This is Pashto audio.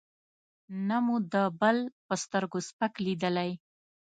نه مو د بل په سترګو سپک لېدلی.